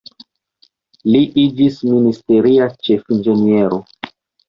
Li iĝis ministeria ĉefinĝeniero.